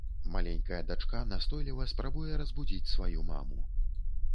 Маленькая дачка настойліва спрабуе разбудзіць сваю маму.